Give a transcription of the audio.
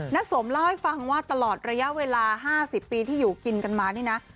สมเล่าให้ฟังว่าตลอดระยะเวลา๕๐ปีที่อยู่กินกันมานี่นะ